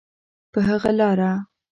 په هغه لاره.